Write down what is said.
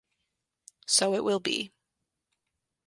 So it will be.